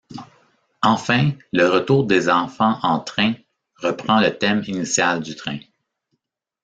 Enfin, le retour des enfants en train reprend le thème initial du train.